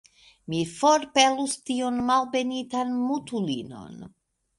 Mi forpelos tiun malbenitan mutulinon!